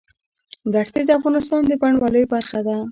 دښتې د افغانستان د بڼوالۍ برخه ده.